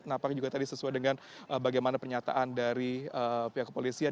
apakah juga tadi sesuai dengan bagaimana pernyataan dari pihak kepolisian